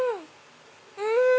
うん！